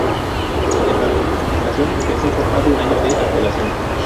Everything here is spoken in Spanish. Sin embargo, su gestación empezó con más de un año de antelación.